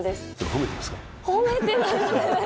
褒めてます。